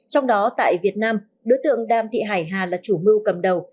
trong đó tại việt nam đối tượng đam thị hải hà là chủ mưu cầm đầu